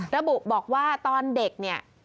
ระบุบอกว่าตอนเด็กเนี่ย